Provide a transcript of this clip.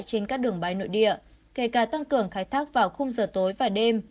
trên các đường bay nội địa kể cả tăng cường khai thác vào khung giờ tối và đêm